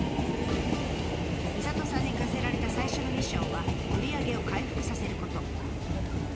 みさとさんに課せられた最初のミッションは売り上げを回復させること。